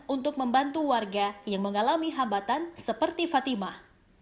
untuk membantu warga yang mengalami hambatan seperti fatimah